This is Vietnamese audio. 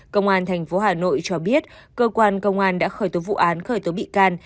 công an tp hà nội cho biết cơ quan công an đã khởi tố vụ án khởi tố bị can